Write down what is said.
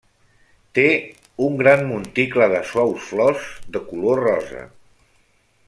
Té un gran monticle de suaus flors de color rosa.